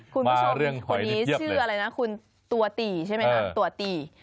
คุณผู้ชมคนนี้ชื่ออะไรนะคุณตัวตีใช่ไหมครับตัวตี